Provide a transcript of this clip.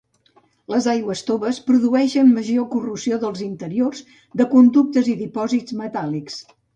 Les aigües toves produeixen major corrosió dels interiors de conductes i dipòsits metàl·lics.